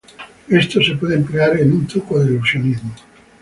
Esto se puede emplear en un truco de ilusionismo.